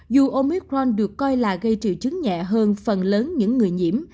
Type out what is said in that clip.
dù omicron được coi là gây triệu chứng nhẹ hơn phần lớn những người nhiễm